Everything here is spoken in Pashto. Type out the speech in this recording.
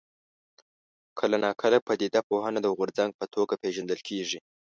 کله ناکله پدیده پوهنه د غورځنګ په توګه پېژندل کېږي.